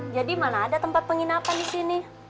jadi mana ada tempat penginapan disini